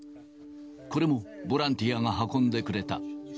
これもボランティアが運んでくれた。